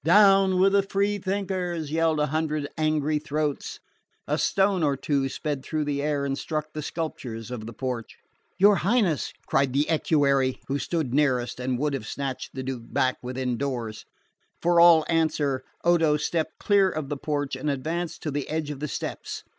"Down with the free thinkers!" yelled a hundred angry throats. A stone or two sped through the air and struck the sculptures of the porch. "Your Highness!" cried the equerry who stood nearest, and would have snatched the Duke back within doors. For all answer, Odo stepped clear of the porch and advanced to the edge of the steps.